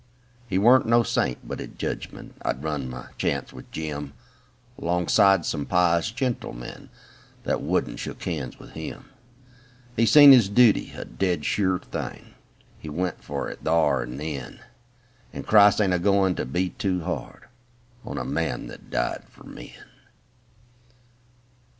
He weren't no saint â ^but at jedgment I'd run my chance with Jim, 'Longside of some pious gentlemen That wouldn't shook hands with him. He'd seen his duty, a dead sure thing â And went for it thar and then: And Christ ain't a going to be too hard On a man that died for men.